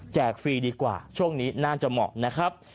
ฟรีดีกว่าช่วงนี้น่าจะเหมาะนะครับ